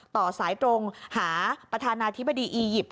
ต่อสายตรงหาประธานาธิบดีอียิปต์